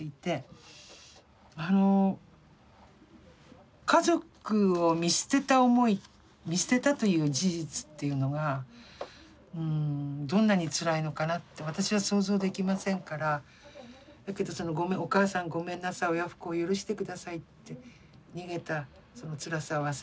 あの家族を見捨てた思い見捨てたという事実っていうのがどんなに辛いのかなって私は想像できませんからだけどその「お母さんごめんなさい親不孝を許してください」って「逃げたその辛さは忘れられない」って